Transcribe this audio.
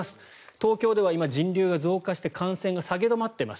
東京では今人流が増加して感染が下げ止まっています。